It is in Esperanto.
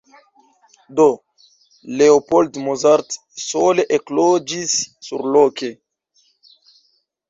Do Leopold Mozart sole ekloĝis surloke.